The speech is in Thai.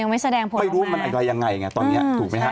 ไม่รู้มันอะไรยังไงตอนนี้ถูกไหมคะ